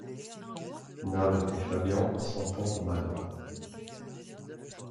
Nave et Fabian s'entendent mal.